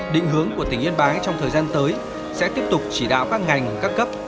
định hướng của tỉnh yên bái trong thời gian tới sẽ tiếp tục chỉ đạo các ngành các cấp